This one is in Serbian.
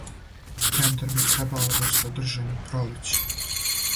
Тендер би требало да се одржи на пролеће.